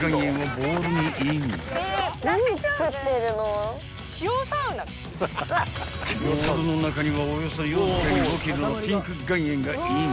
［ボウルの中にはおよそ４．５ｋｇのピンク岩塩がイン］